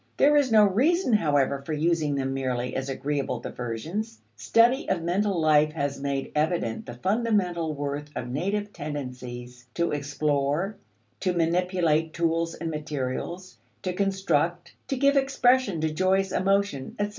There is no reason, however, for using them merely as agreeable diversions. Study of mental life has made evident the fundamental worth of native tendencies to explore, to manipulate tools and materials, to construct, to give expression to joyous emotion, etc.